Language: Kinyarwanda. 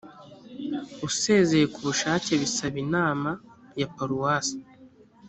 usezeye ku bushake abisaba inama ya paruwasi